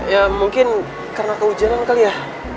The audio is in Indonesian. ya mungkin karena kehujanan kali ya